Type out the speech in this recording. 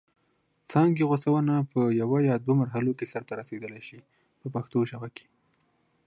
څانګې غوڅونه په یوه یا دوه مرحلو کې سرته رسیدلای شي په پښتو کې.